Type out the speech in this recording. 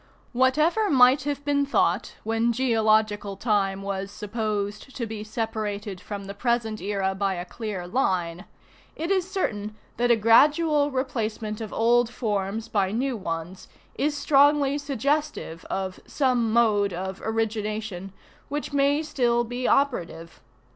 Whatever might have been thought, when geological time was supposed to be separated from the present era by a clear line, it is certain that a gradual replacement of old forms by new ones is strongly suggestive of some mode of origination which may still be operative.